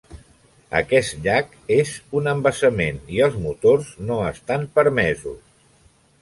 Aquest llac és un embassament i els motors no estan permesos.